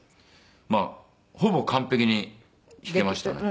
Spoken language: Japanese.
まあほぼ完璧に弾けましたね。